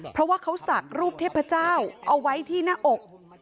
เพราะว่าเขาศักดิ์รูปเทพเจ้าเอาไว้ที่หน้าอก